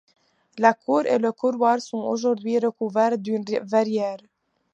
La cour et le couloir sont aujourd'hui recouverts d'une verrière.